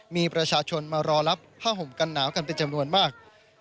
มีประชาชนมารอหลับพ่าห่มกันหนาวกันอย่างน้อยมาก